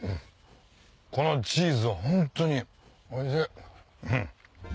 このチーズはホントにおいしい。